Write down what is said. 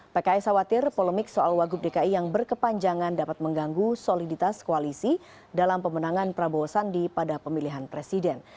pks khawatir polemik soal wagub dki yang berkepanjangan dapat mengganggu soliditas koalisi dalam pemenangan prabowo sandi pada pemilihan presiden